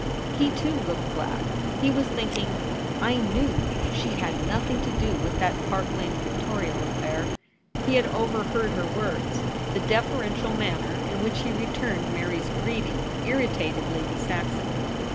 He, too, looked glad ; he was thinking, * I knew she had nothing to do with that Park Lane Pictorial affair.' He had overheard her words. The deferential manner in which he returned Mary's greeting irritated Lady Saxon.